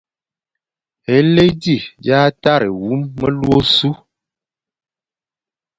Éli zi é ne hagha wum melu ôsu,